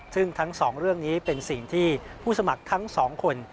ซึ่งทั้งสองเรื่องนี้เป็นสิ่งที่ผู้สมัครทั้งสองคน